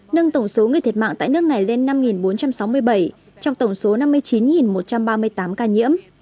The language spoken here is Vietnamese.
nâng tổng số người thiệt mạng tại nước này lên năm bốn trăm sáu mươi bảy trong tổng số năm mươi chín một trăm ba mươi tám ca nhiễm